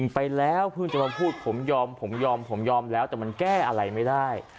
ไปแล้วเพิ่งจะมาพูดผมยอมผมยอมผมยอมแล้วแต่มันแก้อะไรไม่ได้